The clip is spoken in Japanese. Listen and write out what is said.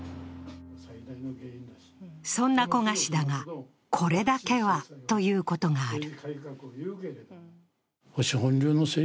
そんな古賀氏だが、これだけはということがある。